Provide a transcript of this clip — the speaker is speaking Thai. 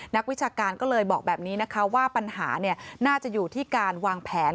วิชาการก็เลยบอกแบบนี้นะคะว่าปัญหาน่าจะอยู่ที่การวางแผน